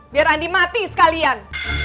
biar riri sekalian